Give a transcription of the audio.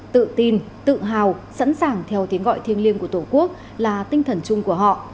tự tin tự hào sẵn sàng theo tiếng gọi thiêng liêng của tổ quốc là tinh thần chung của họ